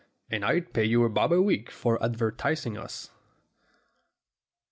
And I'd pay you a bob a week for advertising us."